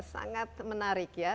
sangat menarik ya